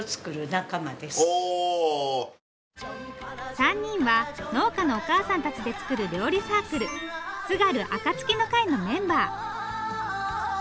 ３人は農家のおかあさんたちで作る料理サークル津軽あかつきの会のメンバー。